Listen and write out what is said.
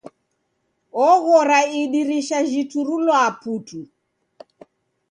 Oghora idirisha jiturulwaa putu!